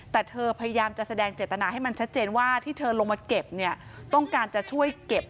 แต่เธอพยายามจะแสดงเจตนาให้มันชัดเจนว่าที่เธอลงมาเก็บเนี่ยต้องการจะช่วยเก็บ